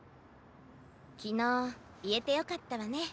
昨日言えてよかったわね。